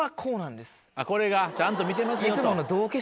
これがちゃんと見てますよと。